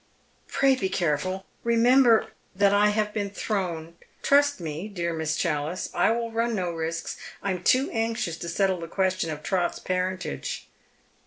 " Pray be careful. Eemember "" That I have been thrown I Trust me, dear Miss Challice. I will run no risks. I am too anxious to settle the question of Trot's parentage."